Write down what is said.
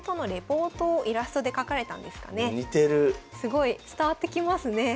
すごい伝わってきますね。